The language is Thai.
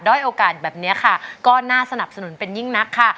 โอกาสแบบนี้ค่ะก็น่าสนับสนุนเป็นยิ่งนักค่ะ